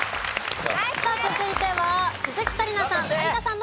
さあ続いては鈴木紗理奈さん